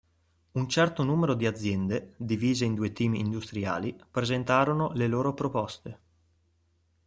Un certo numero di aziende, divise in due team industriali, presentarono le loro proposte.